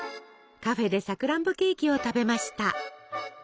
カフェでさくらんぼケーキを食べました。